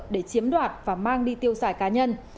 để chiếm đoạt và mang đi tiêu xài cá nhân